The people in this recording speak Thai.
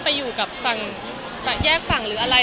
มีปัญหาด้วยไอละไง